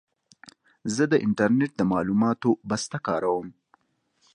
زه د انټرنېټ د معلوماتو بسته کاروم.